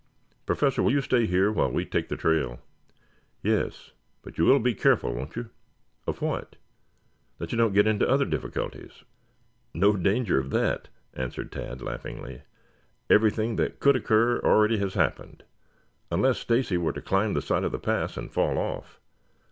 Professor, will you stay here while we take the trail?" "Yes. But you will be careful, won't you?" "Of what?" "That you don't get into other difficulties." "No danger of that," answered Tad laughingly. "Everything that could occur already has happened, unless Stacy were to climb the side of the pass and fall off."